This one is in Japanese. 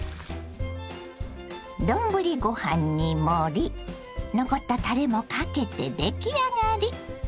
丼ご飯に盛り残ったたれもかけて出来上がり。